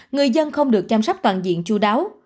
người dân không được chăm sóc toàn diện chú đáo